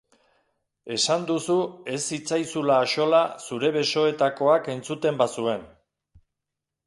Esan duzu ez zitzaizula axola zure besoetakoak entzuten bazuen.